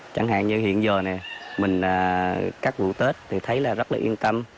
chẳng hạn như hiện giờ này mình cắt vụ tết thì thấy là rất là yên tâm